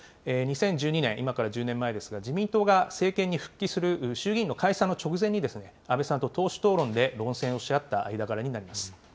２０１２年、今から１０年前ですが、自民党が政権に復帰する衆議院の解散の直前に、安倍さんと党首討論で論戦をし合った間柄になります。